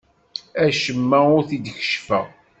Acemma ur t-id-keccfeɣ.